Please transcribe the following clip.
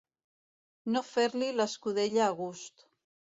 No fer-li l'escudella a gust.